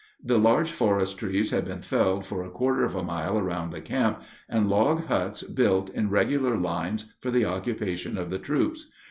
The large forest trees had been felled for a quarter of a mile around the camp, and log huts built in regular lines for the occupation of the troops.